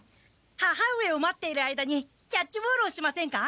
母上を待っている間にキャッチボールをしませんか？